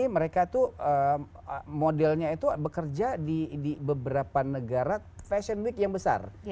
mereka tuh modelnya itu bekerja di beberapa negara fashion week yang besar